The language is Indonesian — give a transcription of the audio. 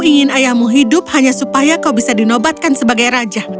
ingin ayahmu hidup hanya supaya kau bisa dinobatkan sebagai raja